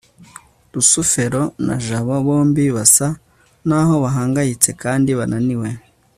rusufero na jabo bombi basa naho bahangayitse kandi bananiwe